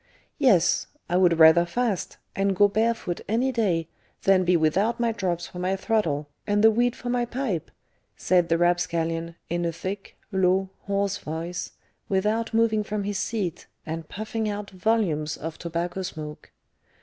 "Yes; I would rather fast, and go barefoot any day, than be without my drops for my throttle, and the weed for my pipe," said the rapscallion, in a thick, low, hoarse voice, without moving from his seat, and puffing out volumes of tobacco smoke.